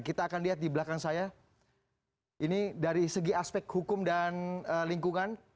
kita akan lihat di belakang saya ini dari segi aspek hukum dan lingkungan